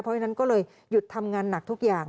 เพราะฉะนั้นก็เลยหยุดทำงานหนักทุกอย่าง